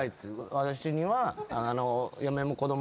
「私には」